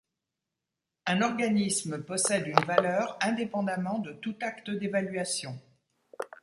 Un organisme possède une valeur indépendamment de tout acte d'évaluation.